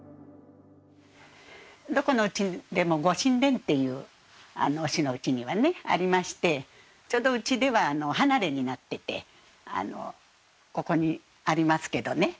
どこのうちでもご神殿っていう御師のうちにはありましてちょうどうちでは離れになっててここにありますけどね。